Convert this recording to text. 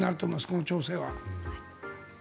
この調整は。